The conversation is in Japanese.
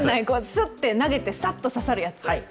スッて投げてサッと刺さるやつ！